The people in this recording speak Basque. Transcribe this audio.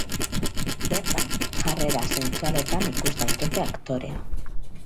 Bertan, jarrera sentsualetan ikus daiteke aktorea.